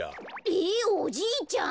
ええっおじいちゃん！